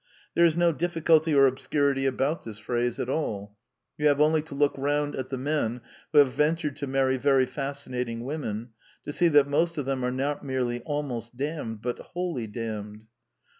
There is no difficulty or obscurity about The Last Four Plays 149 this phrase at all: you have only to look round at the men who have ventured to marry very fascinating women to see that most of them are not merely " almost damned " but wholly damned.